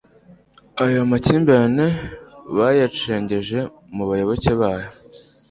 ayo makimbirane bayacengeje mu bayoboke bayo